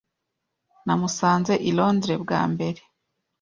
Namusanze i Londres bwa mbere.